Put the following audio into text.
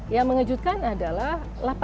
yang mengejutkan adalah